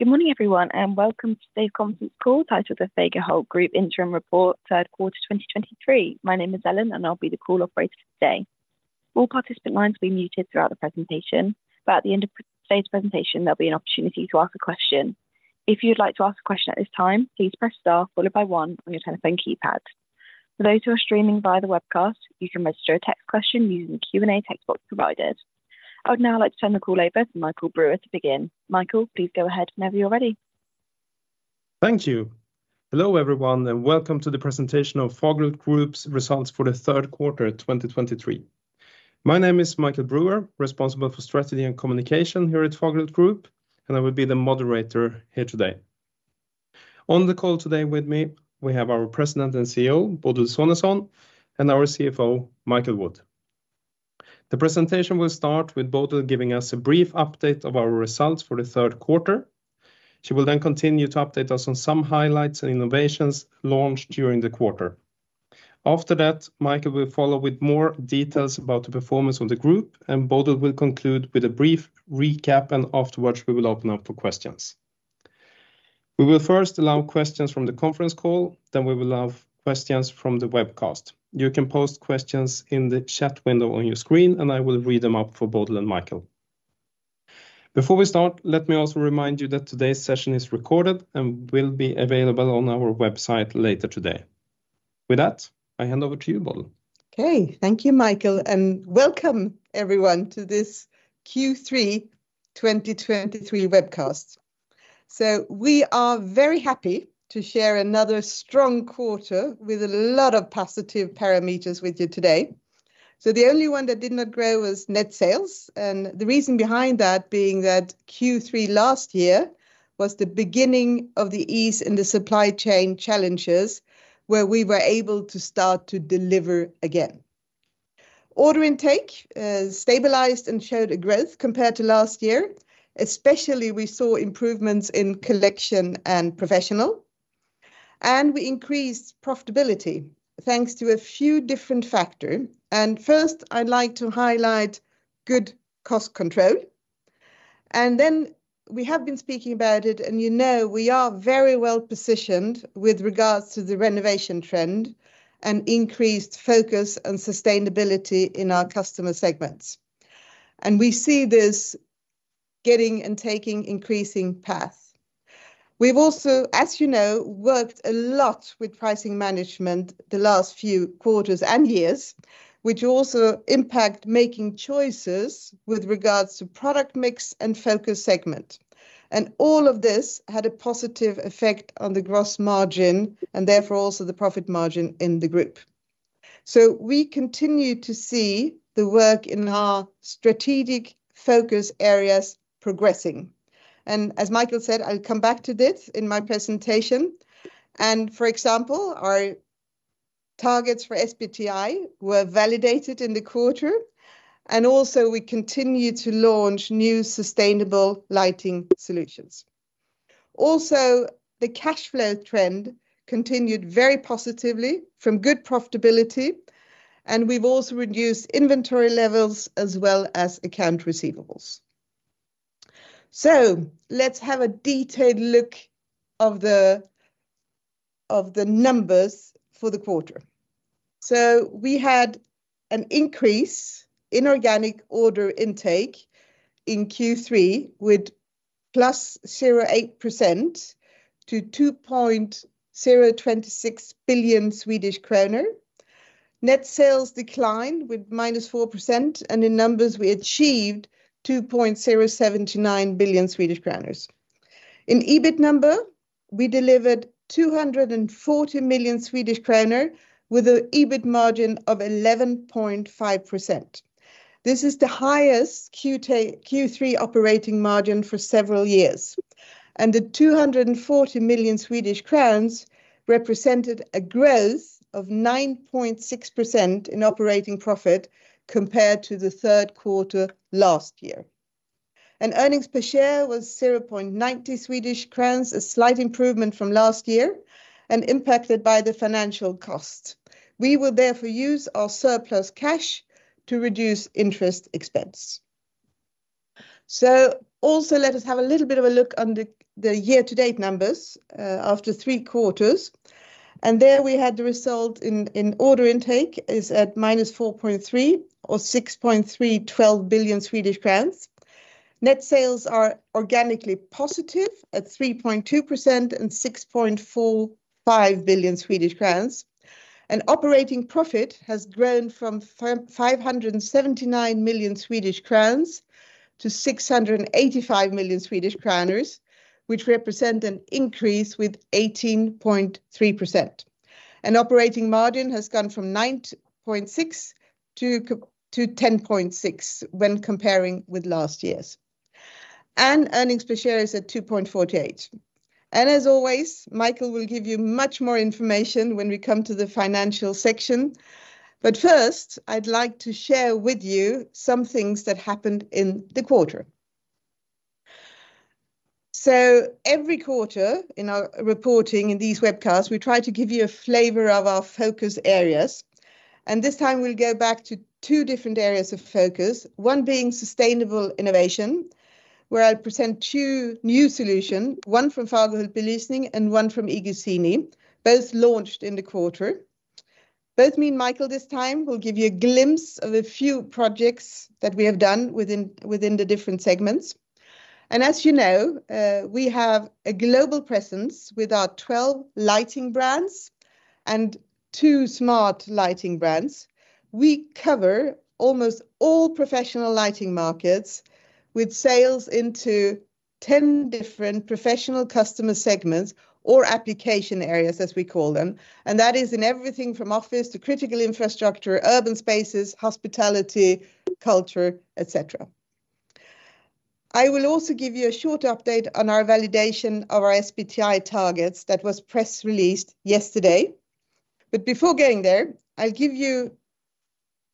Good morning, everyone, and welcome to today's conference call, titled the Fagerhult Group Interim Report, third quarter, 2023. My name is Ellen, and I'll be the call operator for today. All participant lines will be muted throughout the presentation, but at the end of today's presentation, there'll be an opportunity to ask a question. If you'd like to ask a question at this time, please press Star followed by One on your telephone keypad. For those who are streaming via the webcast, you can register a text question using the Q&A text box provided. I would now like to turn the call over to Michael Brewer to begin. Michael, please go ahead whenever you're ready. Thank you. Hello, everyone, and welcome to the presentation of Fagerhult Group's results for the third quarter, 2023. My name is Michael Brewer, responsible for strategy and communication here at Fagerhult Group, and I will be the moderator here today. On the call today with me, we have our President and CEO, Bodil Sonesson, and our CFO, Michael Wood. The presentation will start with Bodil giving us a brief update of our results for the third quarter. She will then continue to update us on some highlights and innovations launched during the quarter. After that, Michael will follow with more details about the performance of the group, and Bodil will conclude with a brief recap, and afterwards, we will open up for questions. We will first allow questions from the conference call, then we will allow questions from the webcast. You can post questions in the chat window on your screen, and I will read them up for Bodil and Michael. Before we start, let me also remind you that today's session is recorded and will be available on our website later today. With that, I hand over to you, Bodil. Okay. Thank you, Michael, and welcome, everyone, to this Q3 2023 webcast. So we are very happy to share another strong quarter with a lot of positive parameters with you today. So the only one that did not grow was net sales, and the reason behind that being that Q3 last year was the beginning of the ease in the supply chain challenges, where we were able to start to deliver again. Order intake stabilized and showed a growth compared to last year. Especially, we saw improvements in Collection and Professional and we increased profitability, thanks to a few different factor. And first, I'd like to highlight good cost control, and then we have been speaking about it, and you know, we are very well positioned with regards to the renovation trend and increased focus on sustainability in our customer segments. And we see this getting and taking increasing path. We've also, as you know, worked a lot with pricing management the last few quarters and years, which also impact making choices with regards to product mix and focus segment. And all of this had a positive effect on the gross margin and therefore, also the profit margin in the group. So we continue to see the work in our strategic focus areas progressing. And as Michael said, I'll come back to this in my presentation, and for example, our targets for SBTi were validated in the quarter, and also, we continued to launch new sustainable lighting solutions. Also, the cash flow trend continued very positively from good profitability, and we've also reduced inventory levels as well as accounts receivable. So let's have a detailed look at the numbers for the quarter. So we had an increase in organic order intake in Q3, with +8% to 2.026 billion Swedish kronor. Net sales declined with -4%, and in numbers, we achieved 2.0729 billion Swedish kronor. In EBIT number, we delivered 240 million Swedish kronor, with a EBIT margin of 11.5%. This is the highest Q3 operating margin for several years, and the 240 million Swedish crowns represented a growth of 9.6% in operating profit, compared to the third quarter last year. And earnings per share was 0.90 Swedish crowns, a slight improvement from last year and impacted by the financial cost. We will therefore use our surplus cash to reduce interest expense. So also, let us have a little bit of a look on the, the year-to-date numbers, after three quarters, and there we had the result in, in order intake is at minus 4.3% or 6.312 billion Swedish crowns. Net sales are organically positive at 3.2% and 6.45 billion Swedish crowns. And operating profit has grown from five hundred and seventy-nine million Swedish crowns to six hundred and eighty-five million Swedish kronas, which represent an increase with 18.3%. And operating margin has gone from 9.6% to ten point six when comparing with last year's. And earnings per share is at 2.48. And as always, Michael will give you much more information when we come to the financial section. First, I'd like to share with you some things that happened in the quarter. So every quarter in our reporting in these webcasts, we try to give you a flavor of our focus areas, and this time we'll go back to two different areas of focus, one being sustainable innovation, where I'll present two new solution, one from Fagerhult Belysning and one from iGuzzini, both launched in the quarter. Both me and Michael this time will give you a glimpse of a few projects that we have done within the different segments. And as you know, we have a global presence with our 12 lighting brands and two smart lighting brands. We cover almost all professional lighting markets, with sales into 10 different professional customer segments or application areas, as we call them, and that is in everything from office to critical infrastructure, urban spaces, hospitality, culture, et cetera. I will also give you a short update on our validation of our SBTi targets that was press released yesterday. But before getting there, I'll give you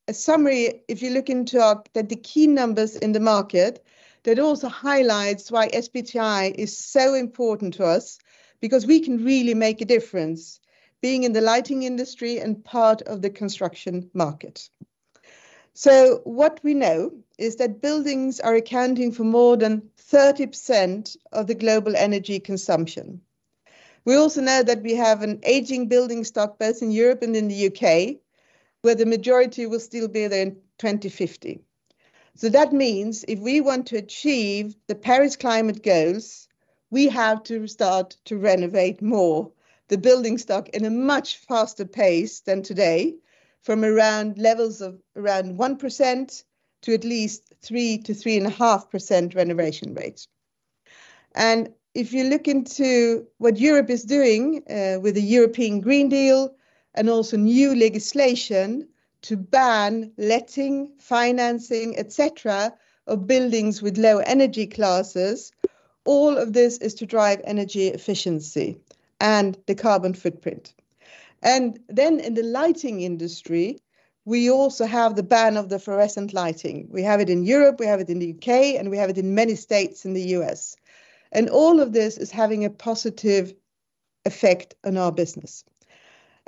a summary if you look into that the key numbers in the market, that also highlights why SBTi is so important to us, because we can really make a difference being in the lighting industry and part of the construction market. So what we know is that buildings are accounting for more than 30% of the global energy consumption. We also know that we have an aging building stock, both in Europe and in the U.K., where the majority will still be there in 2050. So that means if we want to achieve the Paris climate goals, we have to start to renovate more the building stock in a much faster pace than today, from around levels of around 1% to at least 3%-3.5% renovation rates. And if you look into what Europe is doing, with the European Green Deal and also new legislation to ban letting, financing, et cetera, of buildings with low energy classes, all of this is to drive energy efficiency and the carbon footprint. And then in the lighting industry, we also have the ban of the fluorescent lighting. We have it in Europe, we have it in the U.S., and we have it in many states in the U.S., and all of this is having a positive effect on our business.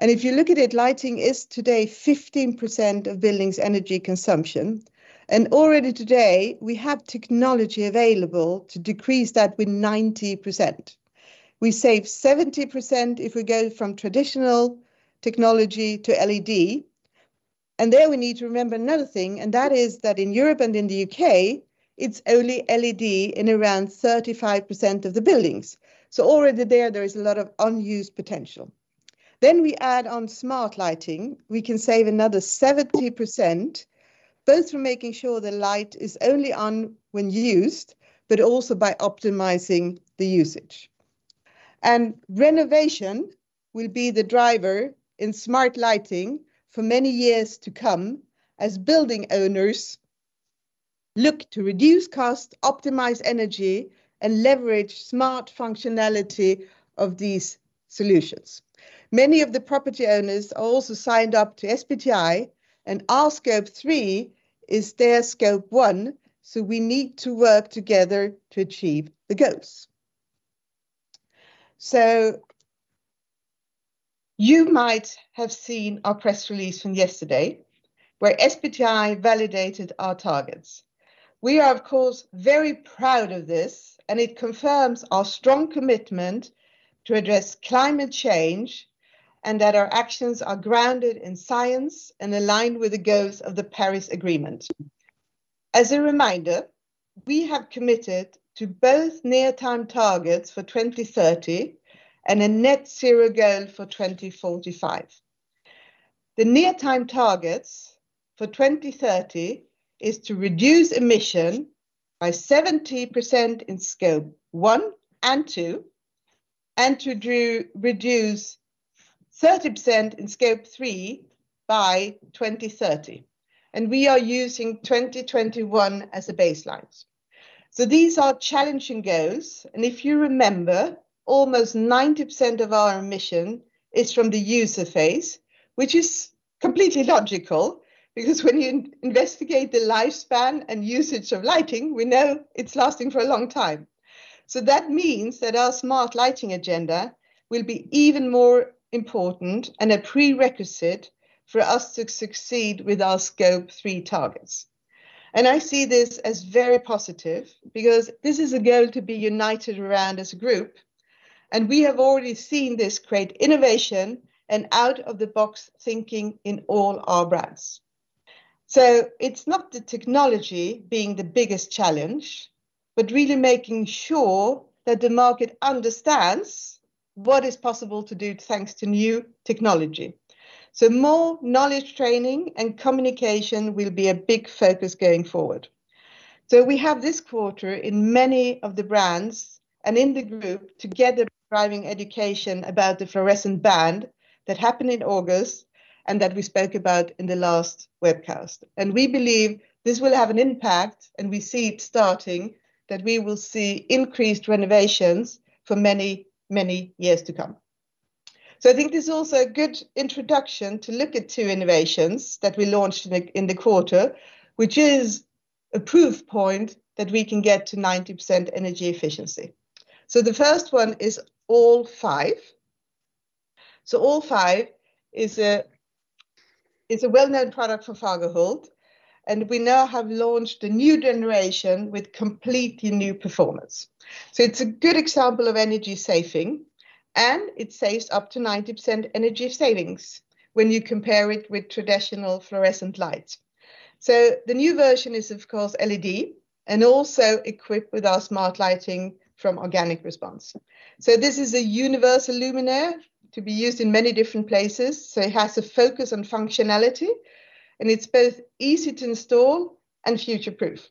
If you look at it, lighting is today 15% of buildings' energy consumption, and already today, we have technology available to decrease that with 90%. We save 70% if we go from traditional technology to LED, and there we need to remember another thing, and that is that in Europe and in the UK, it's only LED in around 35% of the buildings. Already there, there is a lot of unused potential. We add on smart lighting. We can save another 70%, both from making sure the light is only on when used, but also by optimizing the usage. Renovation will be the driver in smart lighting for many years to come, as building owners look to reduce cost, optimize energy, and leverage smart functionality of these solutions. Many of the property owners are also signed up to SBTi, and our Scope 3 is their Scope 1, so we need to work together to achieve the goals. You might have seen our press release from yesterday, where SBTi validated our targets. We are, of course, very proud of this, and it confirms our strong commitment to address climate change, and that our actions are grounded in science and aligned with the goals of the Paris Agreement. As a reminder, we have committed to both near-term targets for 2030 and a net zero goal for 2045. The near-term targets for 2030 is to reduce emission by 70% in Scope 1 and 2, and to reduce 30% in Scope 3 by 2030, and we are using 2021 as a baseline. So these are challenging goals, and if you remember, almost 90% of our emission is from the user phase, which is completely logical, because when you investigate the lifespan and usage of lighting, we know it's lasting for a long time. So that means that our smart lighting agenda will be even more important and a prerequisite for us to succeed with our Scope 3 targets. And I see this as very positive, because this is a goal to be united around as a group, and we have already seen this create innovation and out-of-the-box thinking in all our brands. So it's not the technology being the biggest challenge, but really making sure that the market understands what is possible to do, thanks to new technology. So more knowledge training and communication will be a big focus going forward. So we have this quarter in many of the brands and in the group together, driving education about the fluorescent ban that happened in August, and that we spoke about in the last webcast. And we believe this will have an impact, and we see it starting, that we will see increased renovations for many, many years to come. So I think this is also a good introduction to look at two innovations that we launched in the quarter, which is a proof point that we can get to 90% energy efficiency. So the first one is AllFive. So AllFive is a It's a well-known product for Fagerhult, and we now have launched a new generation with completely new performance. So it's a good example of energy saving, and it saves up to 90% energy savings when you compare it with traditional fluorescent lights. So the new version is, of course, LED, and also equipped with our smart lighting from Organic Response. So this is a universal luminaire to be used in many different places, so it has a focus on functionality, and it's both easy to install and future-proof.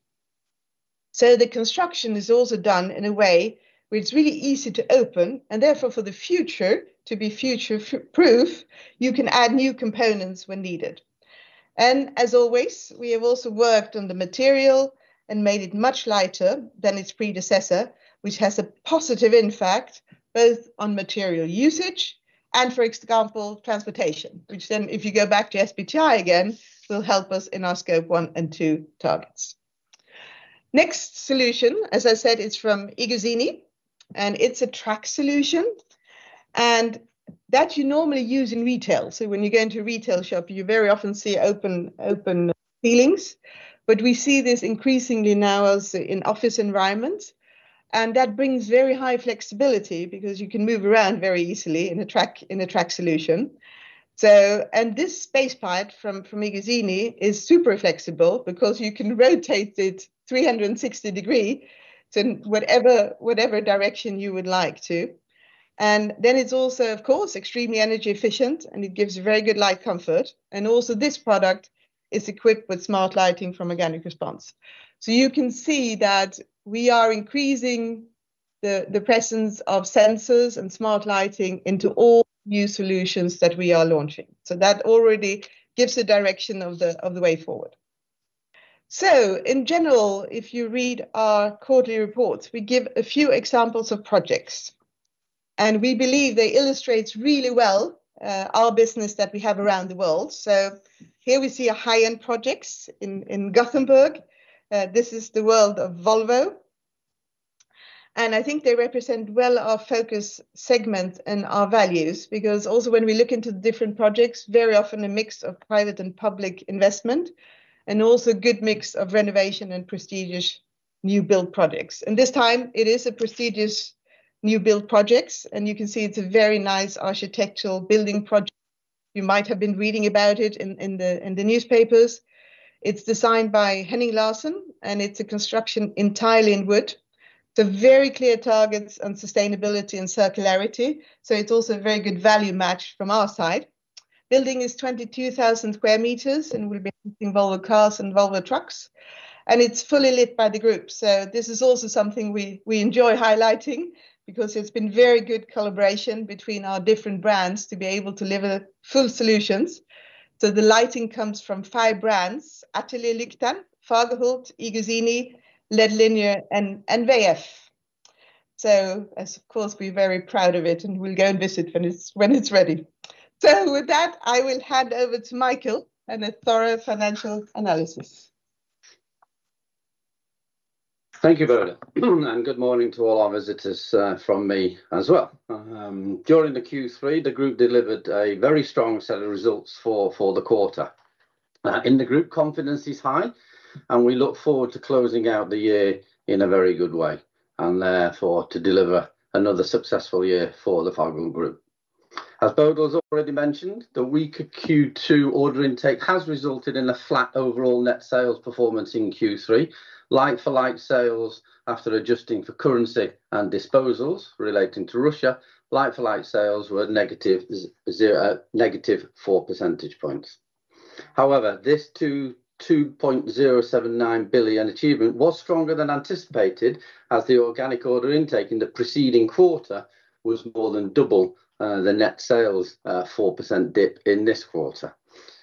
So the construction is also done in a way where it's really easy to open, and therefore, for the future, to be future-proof, you can add new components when needed. As always, we have also worked on the material and made it much lighter than its predecessor, which has a positive impact both on material usage and, for example, transportation, which then, if you go back to SBTi again, will help us in our Scope 1 and two targets. Next solution, as I said, is from iGuzzini, and it's a track solution, and that you normally use in retail. So when you go into a retail shop, you very often see open, open ceilings, but we see this increasingly now as in office environments, and that brings very high flexibility because you can move around very easily in a track, in a track solution. So, and this Spacepad from, from iGuzzini is super flexible because you can rotate it 360 degrees, so whatever, whatever direction you would like to. And then it's also, of course, extremely energy efficient, and it gives very good light comfort. Also, this product is equipped with smart lighting from Organic Response. So you can see that we are increasing the presence of sensors and smart lighting into all new solutions that we are launching. So that already gives a direction of the way forward. So in general, if you read our quarterly reports, we give a few examples of projects, and we believe they illustrates really well, our business that we have around the world. So here we see a high-end projects in Gothenburg. This is the World of Volvo, and I think they represent well our focus segment and our values, because also when we look into the different projects, very often a mix of private and public investment, and also a good mix of renovation and prestigious new build projects. This time it is a prestigious new build project, and you can see it's a very nice architectural building project. You might have been reading about it in the newspapers. It's designed by Henning Larsen, and it's a construction entirely in wood. Very clear targets on sustainability and circularity, so it's also a very good value match from our side. The building is 22,000 square meters and will be involving cars and Volvo trucks, and it's fully lit by the group. So this is also something we, we enjoy highlighting because it's been very good collaboration between our different brands to be able to deliver full solutions. So the lighting comes from five brands, Ateljé Lyktan, Fagerhult, iGuzzini, LED Linear, and WE-EF. So as of course, we're very proud of it, and we'll go and visit when it's, when it's ready. So with that, I will hand over to Michael and a thorough financial analysis. Thank you, Bodil, and good morning to all our visitors from me as well. During the Q3, the group delivered a very strong set of results for the quarter. In the group, confidence is high, and we look forward to closing out the year in a very good way, and therefore, to deliver another successful year for the Fagerhult Group. As Bodil has already mentioned, the weaker Q2 order intake has resulted in a flat overall net sales performance in Q3. Like-for-like sales, after adjusting for currency and disposals relating to Russia, like-for-like sales were negative zero, negative 4 percentage points. However, this 2.079 billion achievement was stronger than anticipated, as the organic order intake in the preceding quarter was more than double the net sales 4% dip in this quarter.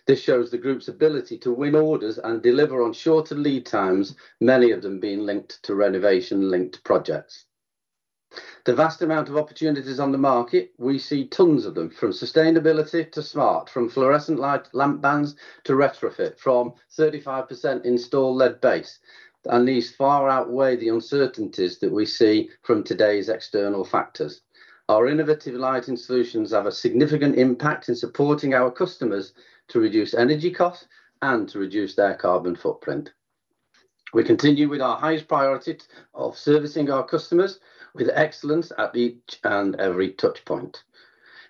This shows the group's ability to win orders and deliver on shorter lead times, many of them being linked to renovation-linked projects. The vast amount of opportunities on the market, we see tons of them, from sustainability to smart, from fluorescent light lamp bans to retrofit, from 35% install lead base, and these far outweigh the uncertainties that we see from today's external factors. Our innovative lighting solutions have a significant impact in supporting our customers to reduce energy costs and to reduce their carbon footprint. We continue with our highest priority of servicing our customers with excellence at each and every touchpoint.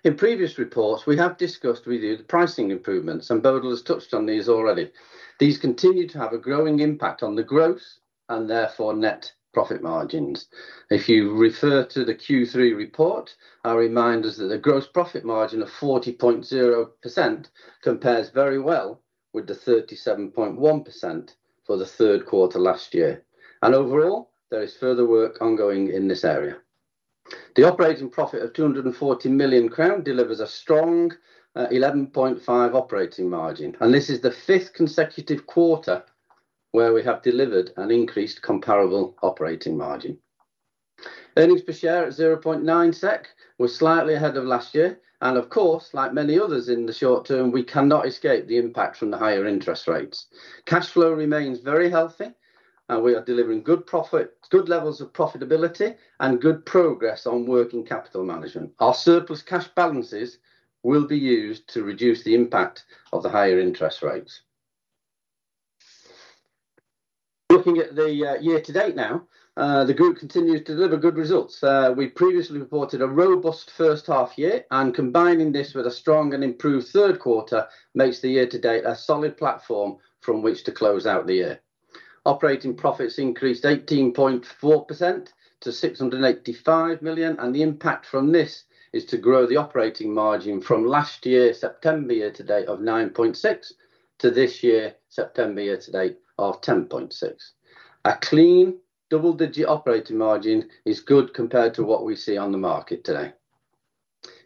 In previous reports, we have discussed with you the pricing improvements, and Bodil has touched on these already. These continue to have a growing impact on the growth and therefore net profit margins. If you refer to the Q3 report, I remind us that the gross profit margin of 40.0% compares very well with the 37.1% for the third quarter last year, and overall, there is further work ongoing in this area. The operating profit of 240 million crown delivers a strong 11.5% operating margin, and this is the fifth consecutive quarter where we have delivered an increased comparable operating margin. Earnings per share at 0.9 SEK was slightly ahead of last year, and of course, like many others in the short term, we cannot escape the impact from the higher interest rates. Cash flow remains very healthy, and we are delivering good profit, good levels of profitability, and good progress on working capital management. Our surplus cash balances will be used to reduce the impact of the higher interest rates... Looking at the year to date now, the group continues to deliver good results. We previously reported a robust first half year, and combining this with a strong and improved third quarter makes the year to date a solid platform from which to close out the year. Operating profits increased 18.4% to 685 million, and the impact from this is to grow the operating margin from last year, September year to date of 9.6%, to this year, September year to date of 10.6%. A clean double-digit operating margin is good compared to what we see on the market today.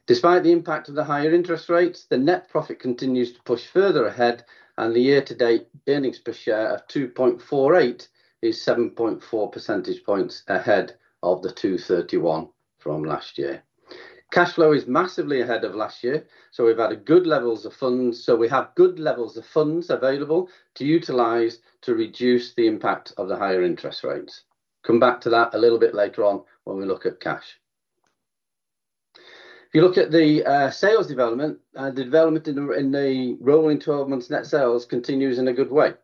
Despite the impact of the higher interest rates, the net profit continues to push further ahead, and the year-to-date earnings per share of 2.48 is 7.4 percentage points ahead of the 2.31 from last year. Cash flow is massively ahead of last year, so we've had a good levels of funds, so we have good levels of funds available to utilize to reduce the impact of the higher interest rates. Come back to that a little bit later on when we look at cash. If you look at the sales development, the development in the rolling twelve months net sales continues in a good way,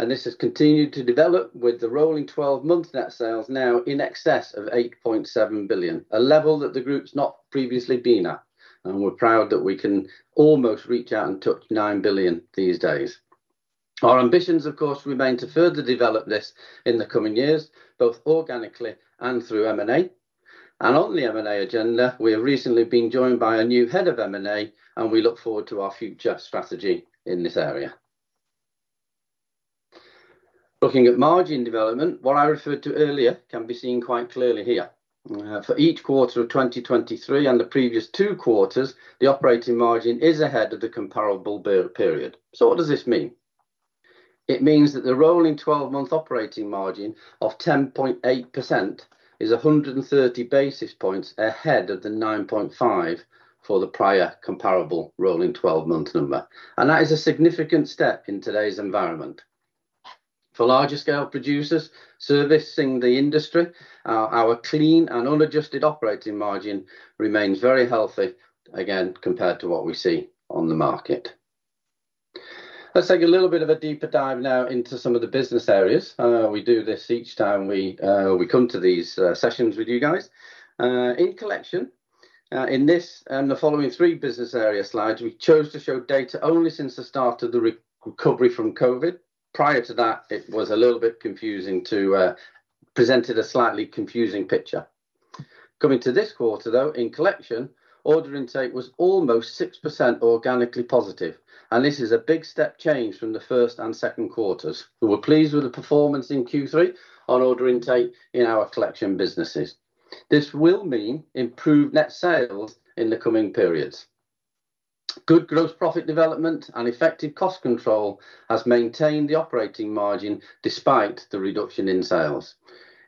and this has continued to develop with the rolling twelve-month net sales now in excess of 8.7 billion, a level that the Group's not previously been at, and we're proud that we can almost reach out and touch 9 billion these days. Our ambitions, of course, remain to further develop this in the coming years, both organically and through M&A. And on the M&A agenda, we have recently been joined by a new head of M&A, and we look forward to our future strategy in this area. Looking at margin development, what I referred to earlier can be seen quite clearly here. For each quarter of 2023 and the previous two quarters, the operating margin is ahead of the comparable per-period. So what does this mean? It means that the rolling twelve-month operating margin of 10.8% is 130 basis points ahead of the 9.5 for the prior comparable rolling twelve-month number, and that is a significant step in today's environment. For larger scale producers servicing the industry, our clean and unadjusted operating margin remains very healthy, again, compared to what we see on the market. Let's take a little bit of a deeper dive now into some of the business areas. We do this each time we come to these sessions with you guys. In conclusion, in this and the following three business area slides, we chose to show data only since the start of the re-recovery from COVID. Prior to that, it was a little bit confusing to present a slightly confusing picture. Coming to this quarter, though, in Collection, order intake was almost 6% organically positive, and this is a big step change from the first and second quarters. We were pleased with the performance in Q3 on order intake in our Collection businesses. This will mean improved net sales in the coming periods. Good gross profit development and effective cost control has maintained the operating margin despite the reduction in sales.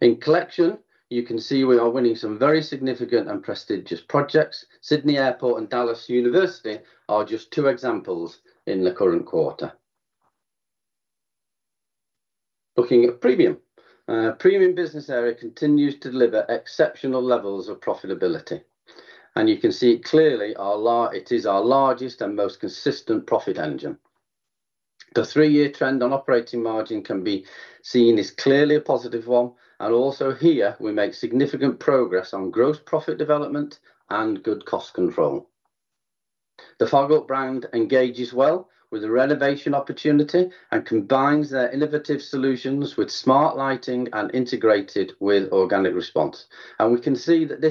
In Collection, you can see we are winning some very significant and prestigious projects. Western Sydney Airport and University of Dallas are just two examples in the current quarter. Looking at Premium. Premium business area continues to deliver exceptional levels of profitability, and you can see it clearly, it is our largest and most consistent profit engine. The three-year trend on operating margin can be seen as clearly a positive one, and also here, we make significant progress on gross profit development and good cost control. The Fagerhult brand engages well with the renovation opportunity and combines their innovative solutions with smart lighting and integrated with Organic Response. We can see that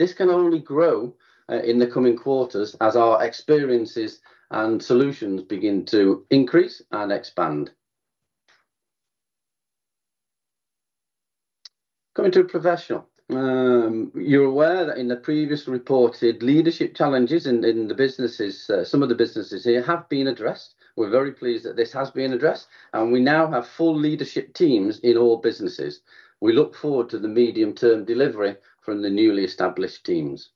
this can only grow in the coming quarters as our experiences and solutions begin to increase and expand. Coming to professional. You're aware that in the previous reported leadership challenges in the businesses, some of the businesses here have been addressed. We're very pleased that this has been addressed, and we now have full leadership teams in all businesses. We look forward to the medium-term delivery from the newly established teams.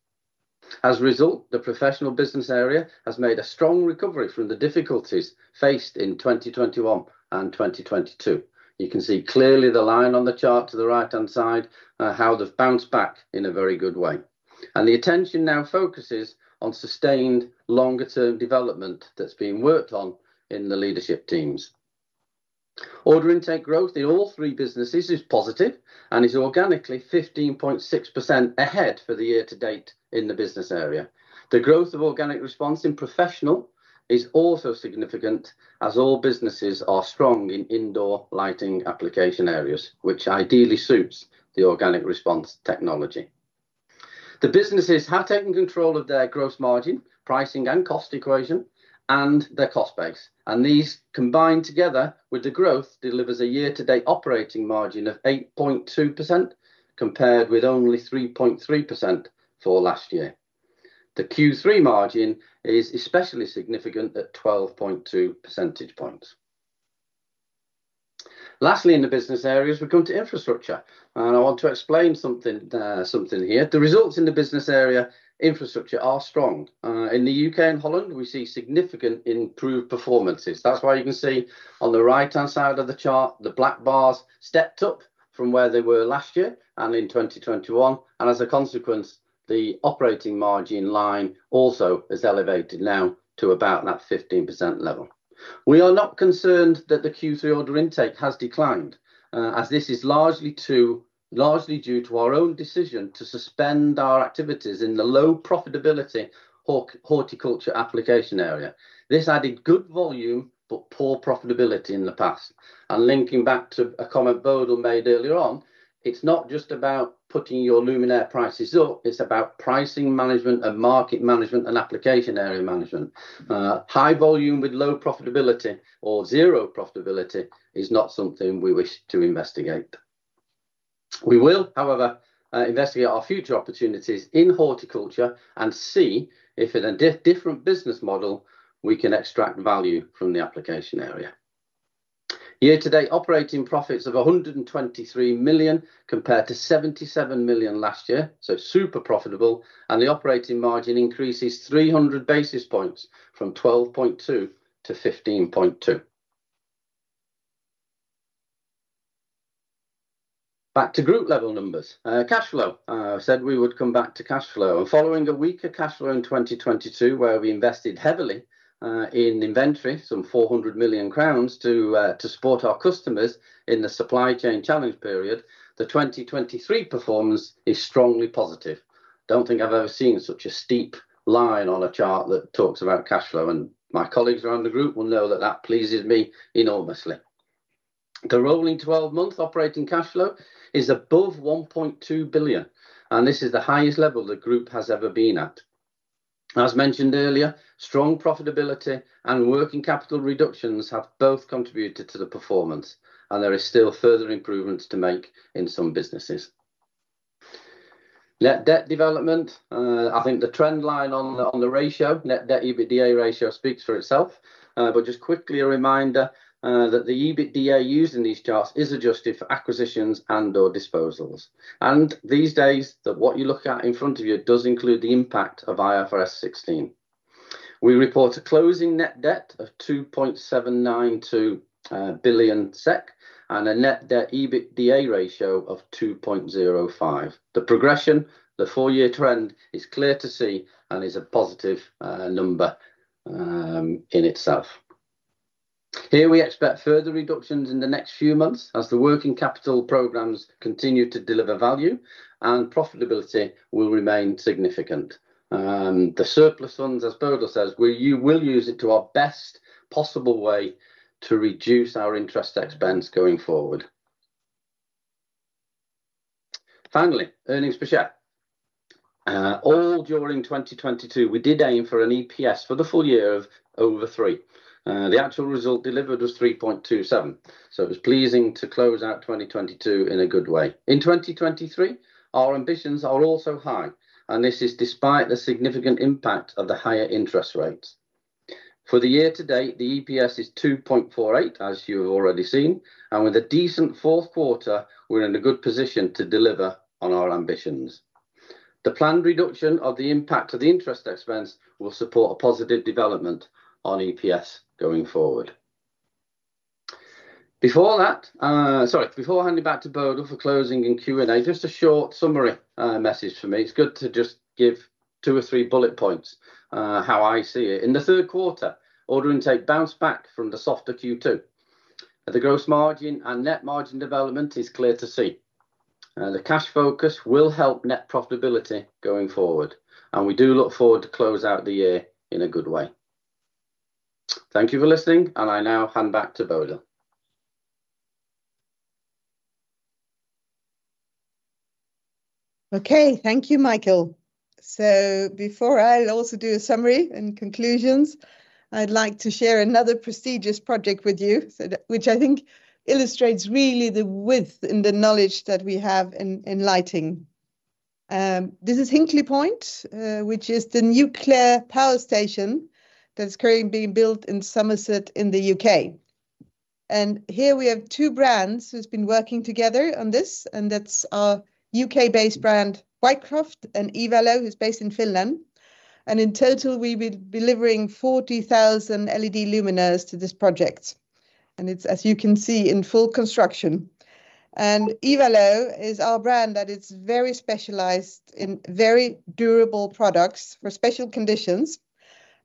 As a result, the professional business area has made a strong recovery from the difficulties faced in 2021 and 2022. You can see clearly the line on the chart to the right-hand side, how they've bounced back in a very good way, and the attention now focuses on sustained longer-term development that's being worked on in the leadership teams. Order intake growth in all three businesses is positive and is organically 15.6% ahead for the year to date in the business area. The growth of Organic Response in professional is also significant as all businesses are strong in indoor lighting application areas, which ideally suits the Organic Response technology. The businesses have taken control of their gross margin, pricing and cost equation, and their cost base, and these, combined together with the growth, delivers a year-to-date operating margin of 8.2%, compared with only 3.3% for last year. The Q3 margin is especially significant at 12.2 percentage points. Lastly, in the business areas, we come to infrastructure, and I want to explain something here. The results in the business area infrastructure are strong. In the UK and Holland, we see significant improved performances. That's why you can see on the right-hand side of the chart, the black bars stepped up from where they were last year and in 2021, and as a consequence, the operating margin line also is elevated now to about that 15% level.... We are not concerned that the Q3 order intake has declined, as this is largely due to our own decision to suspend our activities in the low profitability horticulture application area. This added good volume but poor profitability in the past. Linking back to a comment Bodil made earlier on, it's not just about putting your luminaire prices up, it's about pricing management and market management and application area management. High volume with low profitability or zero profitability is not something we wish to investigate. We will, however, investigate our future opportunities in horticulture and see if in a different business model, we can extract value from the application area. Year-to-date operating profits of 123 million, compared to 77 million last year, so super profitable, and the operating margin increase is 300 basis points from 12.2%-15.2%. Back to group level numbers. Cash flow. I said we would come back to cash flow. Following a weaker cash flow in 2022, where we invested heavily in inventory, some 400 million crowns to support our customers in the supply chain challenge period, the 2023 performance is strongly positive. Don't think I've ever seen such a steep line on a chart that talks about cash flow, and my colleagues around the group will know that that pleases me enormously. The rolling 12-month operating cash flow is above 1.2 billion, and this is the highest level the group has ever been at. As mentioned earlier, strong profitability and working capital reductions have both contributed to the performance, and there is still further improvements to make in some businesses. Net debt development, I think the trend line on the ratio, net debt/EBITDA ratio, speaks for itself. But just quickly a reminder, that the EBITDA used in these charts is adjusted for acquisitions and/or disposals. And these days, that, what you look at in front of you, does include the impact of IFRS 16. We report a closing net debt of 2.792 billion SEK, and a net debt/EBITDA ratio of 2.05. The progression, the four-year trend is clear to see and is a positive number in itself. Here we expect further reductions in the next few months as the working capital programs continue to deliver value, and profitability will remain significant. The surplus funds, as Bodil says, we will use it to our best possible way to reduce our interest expense going forward. Finally, earnings per share. All during 2022, we did aim for an EPS for the full year of over 3. The actual result delivered was 3.27, so it was pleasing to close out 2022 in a good way. In 2023, our ambitions are also high, and this is despite the significant impact of the higher interest rates. For the year to date, the EPS is 2.48, as you have already seen, and with a decent fourth quarter, we're in a good position to deliver on our ambitions. The planned reduction of the impact of the interest expense will support a positive development on EPS going forward. Before that, sorry, before I hand you back to Bodil for closing and Q&A, just a short summary, message from me. It's good to just give two or three bullet points, how I see it. In the third quarter, order intake bounced back from the softer Q2. The gross margin and net margin development is clear to see. The cash focus will help net profitability going forward, and we do look forward to close out the year in a good way. Thank you for listening, and I now hand back to Bodil. Okay, thank you, Michael. So before I also do a summary and conclusions, I'd like to share another prestigious project with you, so that which I think illustrates really the width and the knowledge that we have in, in lighting. This is Hinkley Point C, which is the nuclear power station that's currently being built in Somerset in the U.K. And here we have two brands who's been working together on this, and that's our U.K.-based brand, Whitecroft, and I-Valo, who's based in Finland. And in total, we'll be delivering 40,000 LED luminaires to this project, and it's, as you can see, in full construction. And I-Valo is our brand that is very specialized in very durable products for special conditions,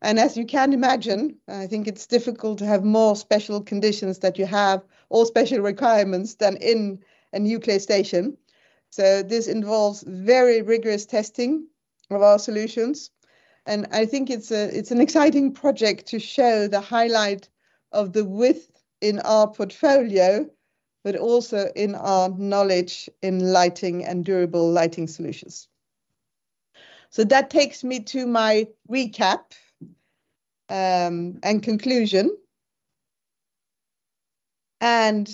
and as you can imagine, I think it's difficult to have more special conditions that you have or special requirements than in a nuclear station. So this involves very rigorous testing of our solutions, and I think it's an exciting project to show the highlight of the width in our portfolio, but also in our knowledge in lighting and durable lighting solutions. So that takes me to my recap, and conclusion. And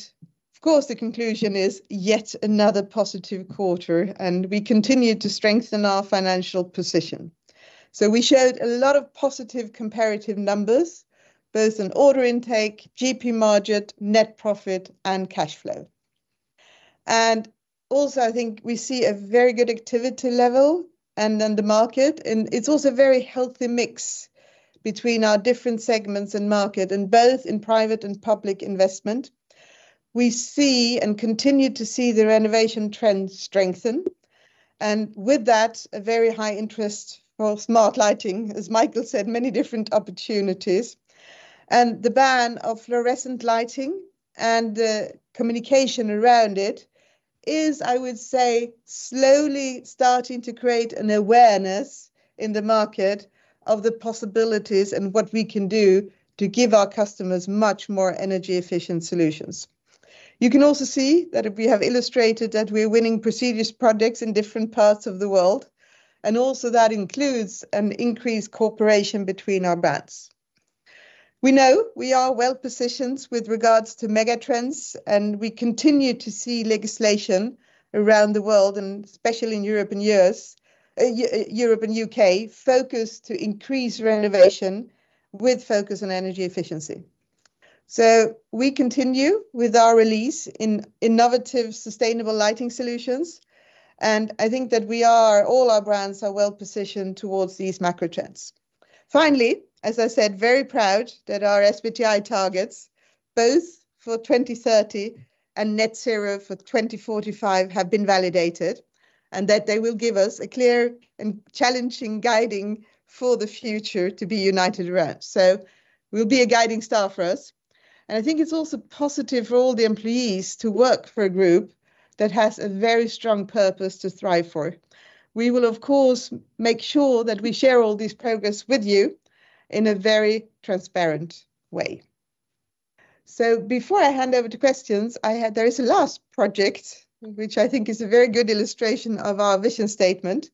of course, the conclusion is yet another positive quarter, and we continued to strengthen our financial position. So we showed a lot of positive comparative numbers, both in order intake, GP margin, net profit, and cash flow. And also, I think we see a very good activity level and in the market, and it's also a very healthy mix between our different segments and market, in both in private and public investment... we see and continue to see the renovation trend strengthen, and with that, a very high interest for smart lighting. As Michael said, many different opportunities. The ban of fluorescent lighting and the communication around it is, I would say, slowly starting to create an awareness in the market of the possibilities and what we can do to give our customers much more energy-efficient solutions. You can also see that we have illustrated that we're winning prestigious projects in different parts of the world, and also that includes an increased cooperation between our brands. We know we are well-positioned with regards to mega trends, and we continue to see legislation around the world, and especially in Europe and U.S., Europe and U.K., focused to increase renovation with focus on energy efficiency. So we continue with our release in innovative, sustainable lighting solutions, and I think that we are all our brands are well-positioned towards these macro trends. Finally, as I said, very proud that our SBTi targets, both for 2030 and net zero for 2045, have been validated, and that they will give us a clear and challenging guiding for the future to be united around. So will be a guiding star for us, and I think it's also positive for all the employees to work for a group that has a very strong purpose to thrive for. We will, of course, make sure that we share all this progress with you in a very transparent way. So before I hand over to questions, I had... There is a last project, which I think is a very good illustration of our vision statement,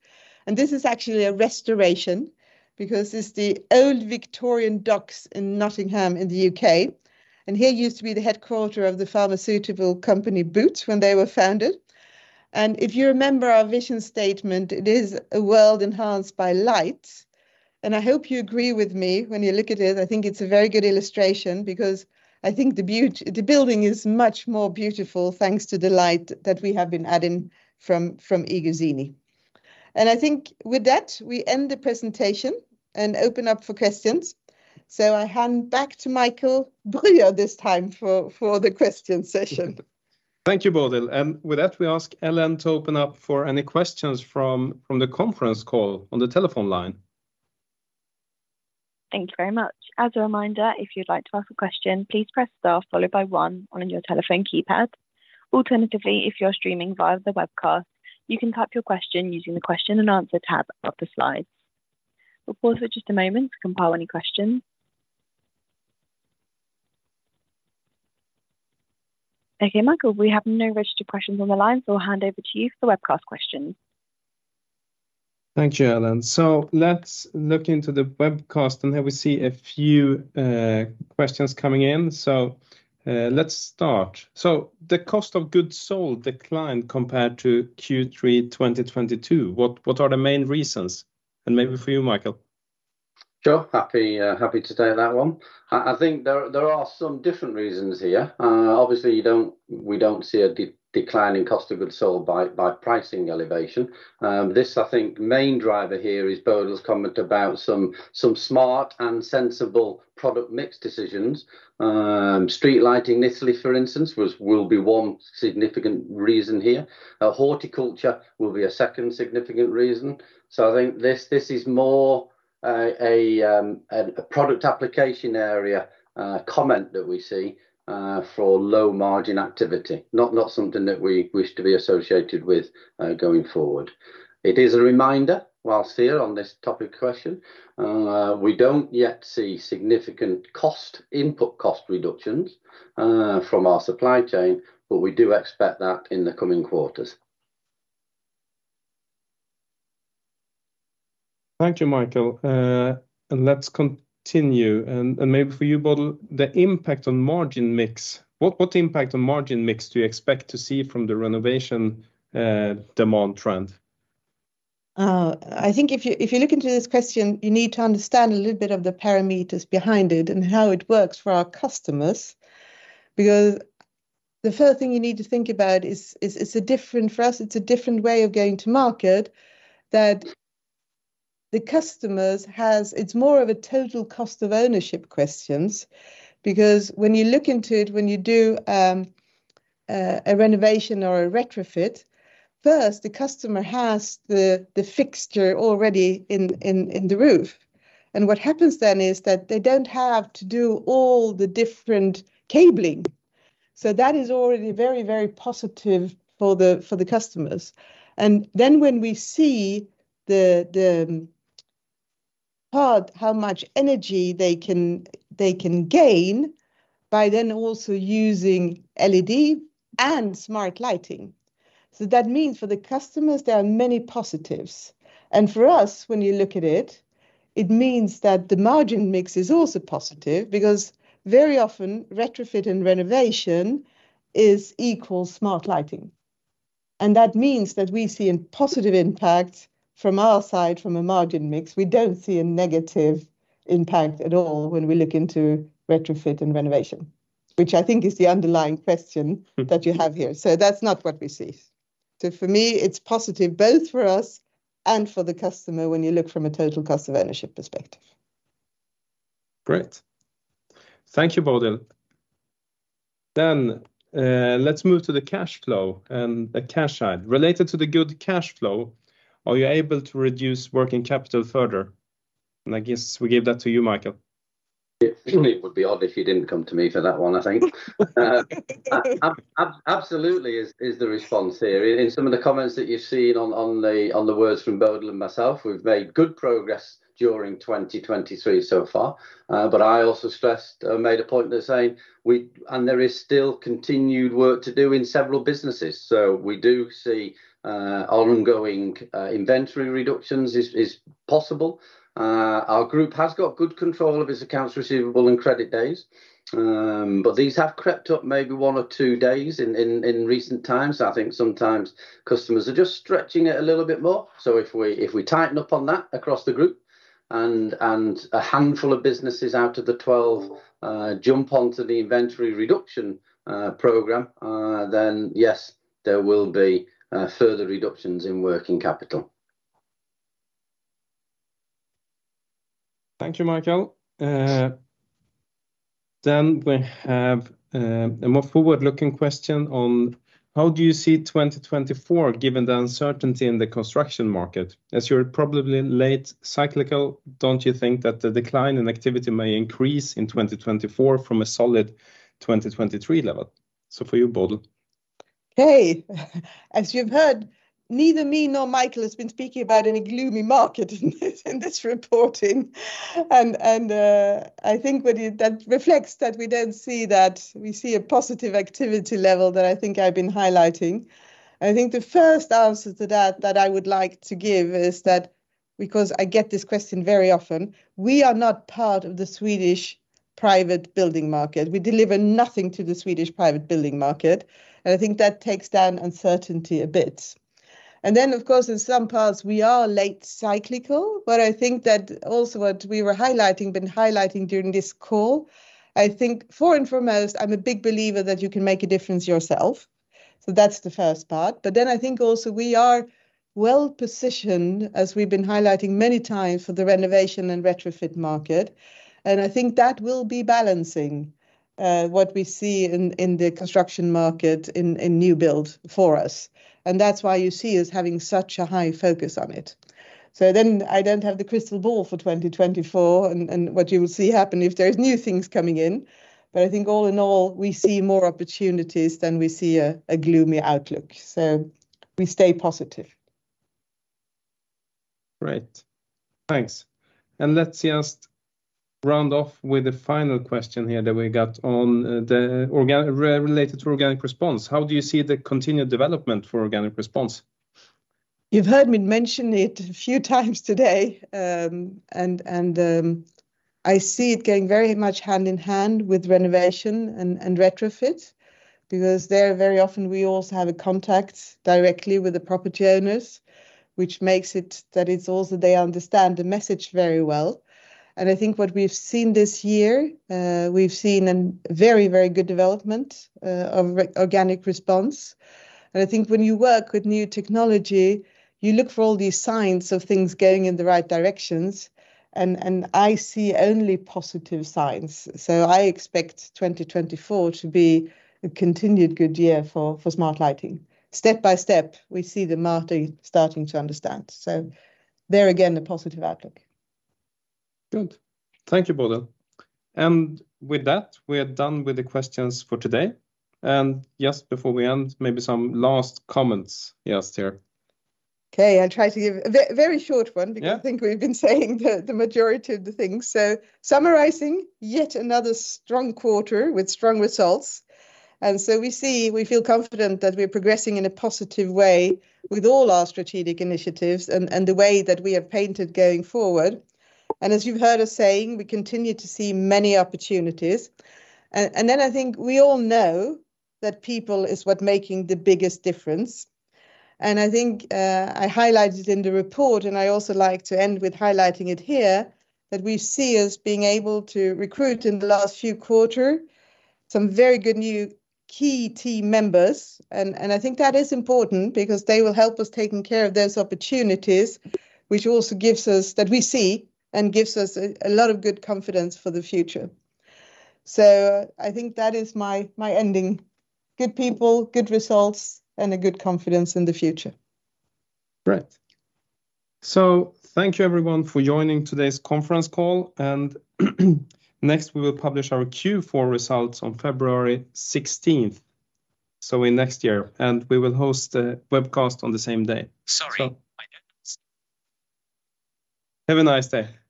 and this is actually a restoration, because it's the old Victorian docks in Nottingham in the UK. Here used to be the headquarters of the pharmaceutical company, Boots, when they were founded. If you remember our vision statement, it is: A world enhanced by light. I hope you agree with me when you look at it. I think it's a very good illustration because I think the building is much more beautiful, thanks to the light that we have been adding from iGuzzini. I think with that, we end the presentation and open up for questions. So I hand back to Michael Brüer this time for the question session. Thank you, Bodil, and with that, we ask Ellen to open up for any questions from the conference call on the telephone line. Thank you very much. As a reminder, if you'd like to ask a question, please press star followed by one on your telephone keypad. Alternatively, if you're streaming via the webcast, you can type your question using the question and answer tab of the slides. We'll pause for just a moment to compile any questions. Okay, Michael, we have no registered questions on the line, so I'll hand over to you for webcast questions. Thank you, Ellen. So let's look into the webcast, and here we see a few questions coming in, so let's start. So the cost of goods sold declined compared to Q3 2022. What, what are the main reasons? And maybe for you, Michael. Sure. Happy to take that one. I think there are some different reasons here. Obviously, we don't see a declining cost of goods sold by pricing elevation. This, I think, main driver here is Bodil's comment about some smart and sensible product mix decisions. Street lighting in Italy, for instance, will be one significant reason here. Horticulture will be a second significant reason. So I think this is more a product application area comment that we see for low-margin activity, not something that we wish to be associated with going forward. It is a reminder, while here on this topic question, we don't yet see significant input cost reductions from our supply chain, but we do expect that in the coming quarters. Thank you, Michael. And let's continue, and maybe for you, Bodil, the impact on margin mix. What impact on margin mix do you expect to see from the renovation demand trend? I think if you look into this question, you need to understand a little bit of the parameters behind it and how it works for our customers. Because the first thing you need to think about is it's a different... For us, it's a different way of going to market, that the customers has—it's more of a total cost of ownership questions. Because when you look into it, when you do a renovation or a retrofit, first, the customer has the fixture already in the roof. And what happens then is that they don't have to do all the different cabling, so that is already very, very positive for the customers. And then, when we see the part, how much energy they can gain by then also using LED and smart lighting. So that means for the customers, there are many positives, and for us, when you look at it, it means that the margin mix is also positive because very often, retrofit and renovation is equal smart lighting. And that means that we see a positive impact from our side from a margin mix. We don't see a negative impact at all when we look into retrofit and renovation, which I think is the underlying question. Mm-hmm... that you have here. That's not what we see. For me, it's positive both for us and for the customer when you look from a total cost of ownership perspective.... Great! Thank you, Bodil. Then, let's move to the cash flow and the cash side. Related to the good cash flow, are you able to reduce working capital further? And I guess we give that to you, Michael. It would be odd if you didn't come to me for that one, I think. Absolutely is the response here. In some of the comments that you've seen on the words from Bodil and myself, we've made good progress during 2023 so far. But I also stressed, made a point to say, and there is still continued work to do in several businesses. So we do see ongoing inventory reductions is possible. Our group has got good control of its accounts receivable and credit days, but these have crept up maybe one or two days in recent times. I think sometimes customers are just stretching it a little bit more, so if we, if we tighten up on that across the group, and a handful of businesses out of the 12 jump onto the inventory reduction program, then yes, there will be further reductions in working capital. Thank you, Michael. Then we have a more forward-looking question on: how do you see 2024, given the uncertainty in the construction market? As you're probably late cyclical, don't you think that the decline in activity may increase in 2024 from a solid 2023 level? So for you, Bodil. Hey, as you've heard, neither me nor Michael has been speaking about any gloomy market in this, in this reporting. And, and, I think what it... That reflects that we don't see that, we see a positive activity level that I think I've been highlighting. I think the first answer to that, that I would like to give is that, because I get this question very often, we are not part of the Swedish private building market. We deliver nothing to the Swedish private building market, and I think that takes down uncertainty a bit. And then, of course, in some parts we are late cyclical, but I think that also what we were highlighting, been highlighting during this call, I think, fore and foremost, I'm a big believer that you can make a difference yourself. So that's the first part, but then I think also we are well-positioned, as we've been highlighting many times, for the renovation and retrofit market, and I think that will be balancing what we see in the construction market in new build for us. And that's why you see us having such a high focus on it. So then I don't have the crystal ball for 2024, and what you will see happen if there's new things coming in, but I think all in all, we see more opportunities than we see a gloomy outlook, so we stay positive. Great. Thanks. Let's just round off with a final question here that we got on the Organic Response. How do you see the continued development for Organic Response? You've heard me mention it a few times today. I see it going very much hand in hand with renovation and retrofit, because there, very often we also have a contact directly with the property owners, which makes it that it's also they understand the message very well. I think what we've seen this year, we've seen a very, very good development of Organic Response. I think when you work with new technology, you look for all these signs of things going in the right directions, and I see only positive signs. So I expect 2024 to be a continued good year for smart lighting. Step by step, we see the market starting to understand, so there again, a positive outlook. Good. Thank you, Bodil. With that, we are done with the questions for today. Just before we end, maybe some last comments, yes, here. Okay, I'll try to give a very short one- Yeah... because I think we've been saying the majority of the things. So summarizing, yet another strong quarter with strong results, and so we see, we feel confident that we're progressing in a positive way with all our strategic initiatives and the way that we have painted going forward. And as you've heard us saying, we continue to see many opportunities. And then I think we all know that people is what making the biggest difference, and I think I highlighted in the report, and I also like to end with highlighting it here, that we see as being able to recruit in the last few quarter some very good new key team members. And I think that is important, because they will help us taking care of those opportunities, which also gives us... That we see, and gives us a lot of good confidence for the future. So I think that is my ending: good people, good results, and a good confidence in the future. Great. So thank you everyone for joining today's conference call, and next we will publish our Q4 results on February 16th, so in next year, and we will host a webcast on the same day. So- Sorry, my goodness. Have a nice day.